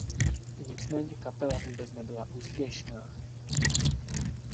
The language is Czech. Nicméně kapela vůbec nebyla úspěšná.